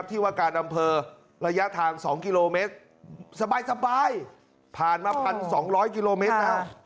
และที่ว่ากาศดำเภอและระยะทาง๒กิโลเมตรสบายผ่านมาพัน๒ร้อยกิโลเมตร